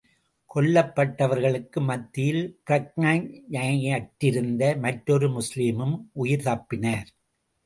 கொல்லப்பட்டவர்களுக்கு மத்தியில், பிரக்ஞையற்றிருந்த மற்றொரு முஸ்லிமும் உயிர் தப்பினார்.